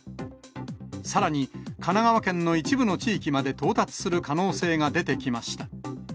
さらに神奈川県の一部の地域まで到達する可能性が出てきました。